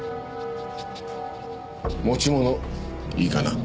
持ち物いいかな？